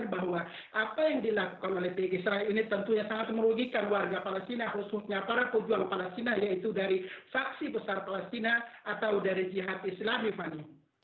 bahwa apa yang dilakukan oleh pihak israel ini tentunya sangat merugikan warga palestina khususnya para pejuang palestina yaitu dari saksi besar palestina atau dari jihad islami fani